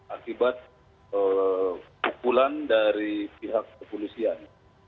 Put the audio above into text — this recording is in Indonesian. akibat pukulan dari pihak kepolisian